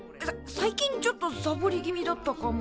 最近ちょっとサボり気味だったかも。